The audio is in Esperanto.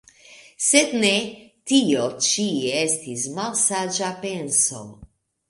Sed ne, tio ĉi estis malsaĝa penso.